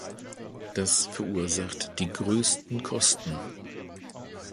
Das verursacht die größten Kosten.